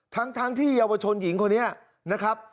ทั้งที่เยาวชนหญิงคนนี้นะครับ